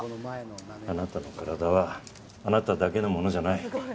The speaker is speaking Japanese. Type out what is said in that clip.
あなたの体はあなただけのものじゃない。